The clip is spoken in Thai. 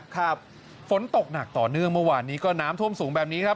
ครับฝนตกหนักต่อเนื่องเมื่อวานนี้ก็น้ำท่วมสูงแบบนี้ครับ